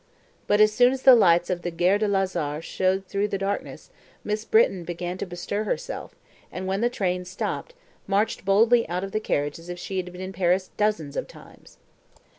But, as soon as the lights of the Gare de Lazare showed through the darkness, Miss Britton began to bestir herself, and, when the train stopped, marched boldly out of the carriage as if she had been in Paris dozens of times.